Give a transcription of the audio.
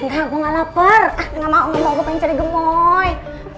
enggak gue gak lapar ah enggak mau enggak mau gue pengen cari gemoy